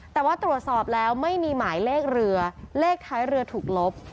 แต่ว่าตรวจสอบแล้วไม่มีหมายเลขเรือเลขท้ายเรือถูกลบ